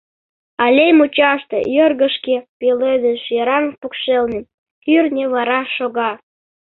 Аллей мучаште, йыргешке пеледыш йыраҥ покшелне, кӱртньӧ вара шога.